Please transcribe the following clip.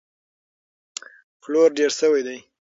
پلور ډېر شوی دی.